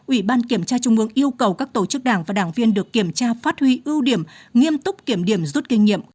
ủy ban kiểm tra trung ương yêu cầu các tổ chức đảng và đảng viên được kiểm tra phát huy ưu điểm nghiêm túc kiểm điểm rút kinh nghiệm